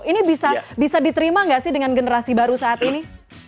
ini bisa diterima nggak sih dengan generasi baru saat ini